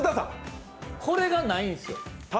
これがないんすよ。